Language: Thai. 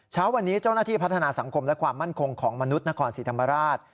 เช้าวันนี้เจ้าหน้าที่พัฒนาสังคมและความมั่นคงของมนุษย์นครศรีธรรมราช